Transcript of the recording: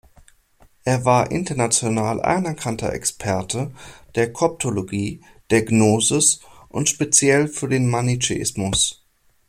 Er war international anerkannte Experte der Koptologie, der Gnosis und speziell für den Manichäismus.